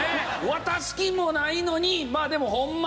渡す気もないのにでもホンマ